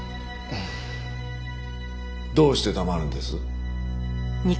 どうして黙るんです？